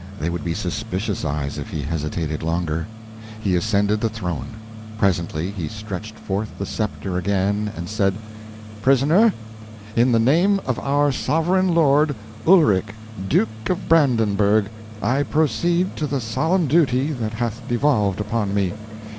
They would be suspicious eyes if he hesitated longer. He ascended the throne. Presently he stretched forth the sceptre again, and said: "Prisoner, in the name of our sovereign lord, Ulrich, Duke of Brandenburgh, I proceed to the solemn duty that hath devolved upon me.